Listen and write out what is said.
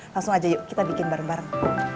langsung aja yuk kita bikin bareng bareng